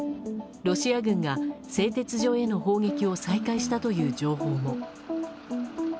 ロシア軍が製鉄所への砲撃を再開したという情報も。